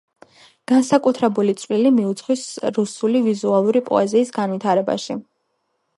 განსაკუთრებული წვლილი მიუძღვის რუსული ვიზუალური პოეზიის განვითარებაში.